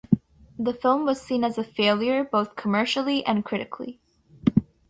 The film was seen as a failure, both commercially and critically.